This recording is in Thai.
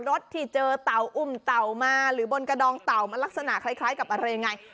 รถที่เจอเต่าอุ้มเต่ามาหรือบนกระดองเต่ามันลักษณะคล้ายกับอะไรยังไง